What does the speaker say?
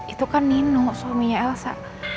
itu kan nino suaminya elsa